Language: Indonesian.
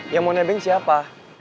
yang mau nebeng siapa